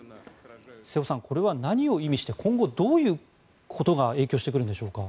瀬尾さん、これは何を意味して今後、どういうことが影響してくるんでしょうか。